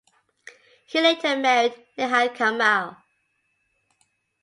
He later married Nehal Kamal.